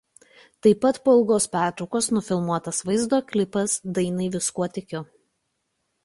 Taip pat po ilgos pertraukos nufilmuotas vaizdo klipas dainai „Viskuo Tikiu“.